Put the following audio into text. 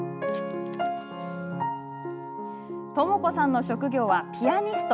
ともこさんの職業はピアニスト。